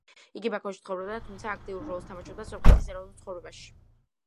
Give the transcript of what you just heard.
იგი ბაქოში ცხოვრობდა, თუმცა, აქტიურ როლს თამაშობდა სომხეთის ეროვნულ ცხოვრებაში.